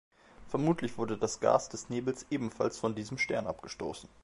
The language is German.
Vermutlich wurde das Gas des Nebels ebenfalls von diesem Stern abgestoßen.